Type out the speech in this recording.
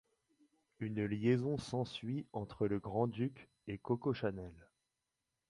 Une liaison s'ensuit entre le grand-duc et Coco Chanel.